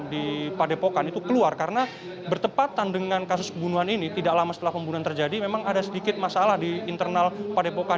di padepokan itu keluar karena bertepatan dengan kasus pembunuhan ini tidak lama setelah pembunuhan terjadi memang ada sedikit masalah di internal padepokan